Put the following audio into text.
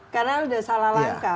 karena sudah salah langkah